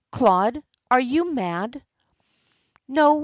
"Claude, are you mad?" "No.